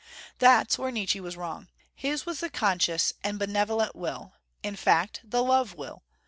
That's where Nietzsche was wrong. His was the conscious and benevolent will, in fact, the love will.